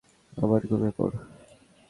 আবার ঘুমিয়ে পড়।